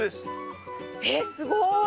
えっすごい！